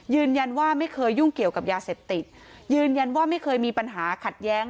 ไม่เคยยุ่งเกี่ยวกับยาเสพติดยืนยันว่าไม่เคยมีปัญหาขัดแย้ง